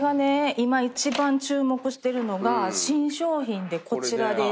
今一番注目してるのが新商品でこちらです。